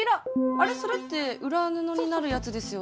あれそれって裏布になるやつですよね？